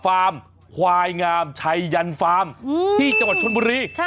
ฟาร์มควายงามชัยยันฟาร์มที่จังหวัดชนบุรี